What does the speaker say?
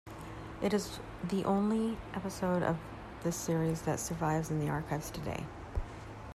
It is the only episode of this series that survives in the archives today.